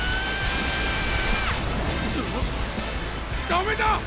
ダメだ！